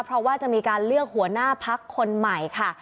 เพราะว่าจะมีการเลือกหัวหน้าพักคนใหม่ค่ะ